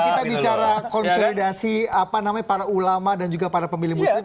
kita bicara konsolidasi para ulama dan juga para pemilih muslim